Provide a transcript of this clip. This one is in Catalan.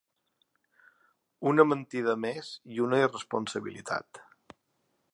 Una mentida més, i una irresponsabilitat.